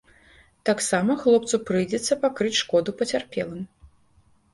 Таксама хлопцу прыйдзецца пакрыць шкоду пацярпелым.